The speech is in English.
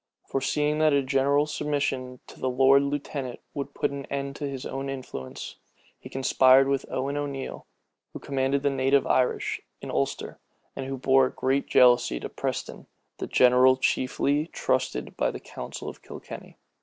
Foreseeing that a general submission to the lord lieutenant would put an end to his own influence, he conspired with Owen O'Neal, who commanded the native Irish, in Ulster, and who bore a great jealousy to Preston, the general chiefly trusted by the council of Kilkenny.